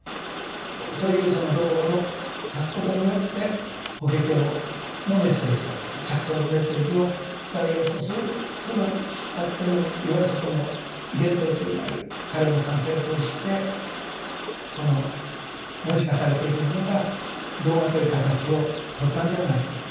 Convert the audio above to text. そういうその童話を書くことによって「法華経」のメッセージを釈尊のメッセージを伝えようとするその出発点のいわゆるそこの原点となる彼の感性を通して文字化されているものが童話という形を取ったんではないかと。